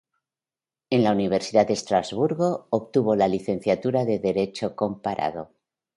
En la Universidad de Estrasburgo obtuvo la licenciatura de Derecho comparado.